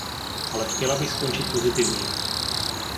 Ale chtěla bych skončit pozitivně.